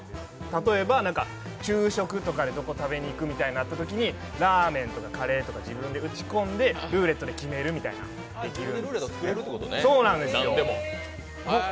例えば、昼食とかで食べにいくみたいになったときにラーメンとかカレーとか自分で打ち込んでルーレットで決めるみたいなできるんですね。